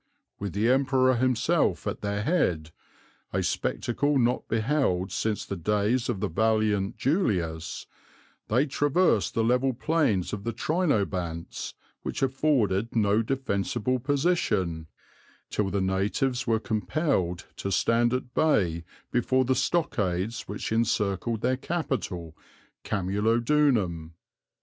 With the Emperor himself at their head, a spectacle not beheld since the days of the valiant Julius, they traversed the level plains of the Trinobantes, which afforded no defensible position, till the natives were compelled to stand at bay before the stockades which encircled their capital, Camulodunum.